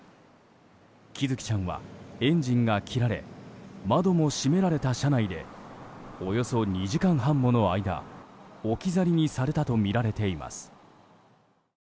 喜寿生ちゃんはエンジンが切られ窓が閉められた車内でおよそ２時間半もの間置き去りにされたとみられています。